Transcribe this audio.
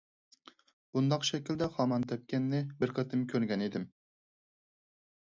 بۇنداق شەكىلدە خامان تەپكەننى بىر قېتىم كۆرگەن ئىدىم.